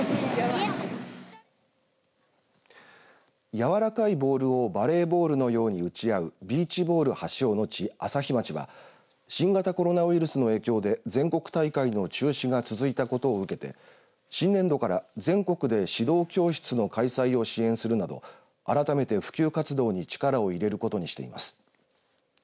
やわらかいボールをバレーボールのように打ち合うビーチボール発祥の地、朝日町は新型コロナウイルスの影響で全国大会の中止が続いたことを受けて新年度から全国で指導教室の開催を支援するなど改めて普及活動に力を入れることにしています。